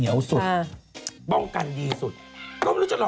พี่ปุ้ยลูกโตแล้ว